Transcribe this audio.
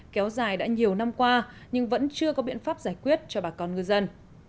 kéo dài đã nhiều năm qua nhưng vẫn chưa có biện pháp giải quyết cho bà con ngư dân